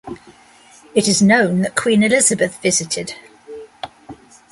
It is known that Queen Elizabeth visited.